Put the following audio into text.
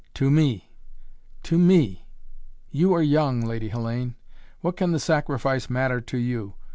To me! To me! You are young, Lady Hellayne. What can the sacrifice matter to you?